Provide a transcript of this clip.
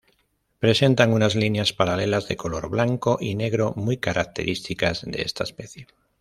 Presentan unas líneas paralelas de color blanco y negro, muy características de esta especie.